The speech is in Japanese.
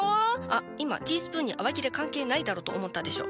あっ今ティースプーンに洗剤いらねえだろと思ったでしょ。